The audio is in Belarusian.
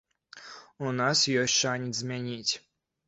У нас ёсць шанец змяніць.